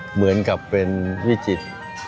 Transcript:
เหมือนกับเป็นวิจิตร